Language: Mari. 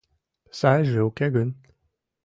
Сайже уке гын...